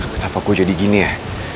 kenapa kok jadi gini ya